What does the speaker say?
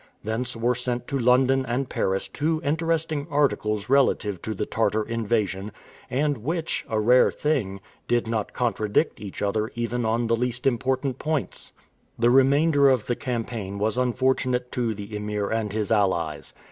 Thence were sent to London and Paris two interesting articles relative to the Tartar invasion, and which a rare thing did not contradict each other even on the least important points. The remainder of the campaign was unfortunate to the Emir and his allies.